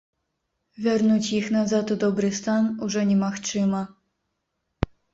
Вярнуць іх назад у добры стан ужо немагчыма.